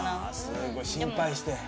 すごい心配して。